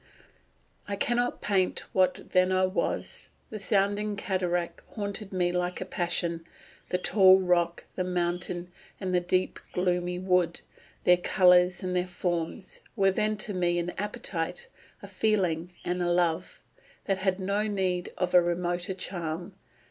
I cannot paint What then I was. The sounding cataract Haunted me like a passion: the tall rock, The mountain, and the deep and gloomy wood, Their colours and their forms, were then to me An appetite; a feeling and a love, That had no need of a remoter charm.